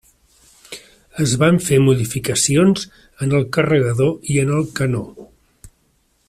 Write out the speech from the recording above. Es van fer modificacions en el carregador i en el canó.